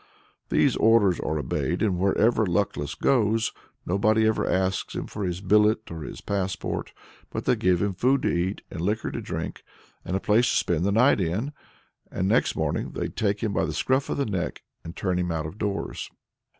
These orders are obeyed, and wherever Luckless goes, "nobody ever asks him for his billet or his passport, but they give him food to eat, and liquor to drink, and a place to spend the night in; and next morning they take him by the scruff of the neck and turn him out of doors."